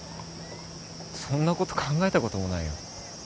そんなこと考えたこともないよ